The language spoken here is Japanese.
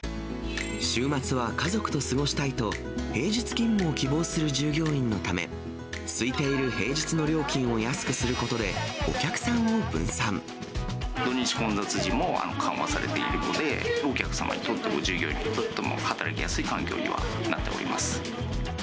週末は家族と過ごしたいと、平日勤務を希望する従業員のため、すいている平日の料金を安くする土日混雑時も緩和されているので、お客様にとっても従業員にとっても、働きやすい環境にはなっております。